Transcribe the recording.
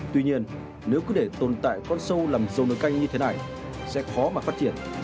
tuy nhiên nếu cứ để tồn tại con sâu làm dầu nối canh như thế này sẽ khó mà phát triển